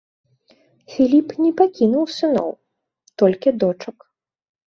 Філіп не пакінуў сыноў, толькі дочак.